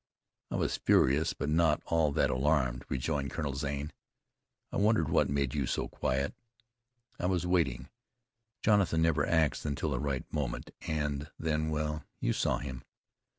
"I was furious, but not at all alarmed," rejoined Colonel Zane. "I wondered what made you so quiet." "I was waiting. Jonathan never acts until the right moment, and then well, you saw him.